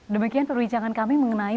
demikian perbincangan kami mengenai